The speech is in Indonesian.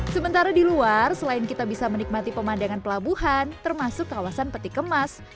sementara di luar selain kita bisa menikmati pemandangan pelabuhan termasuk kawasan peti kemas